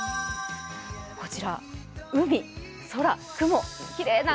こちら海、空、雲、きれいな。